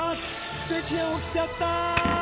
奇跡が起きちゃった！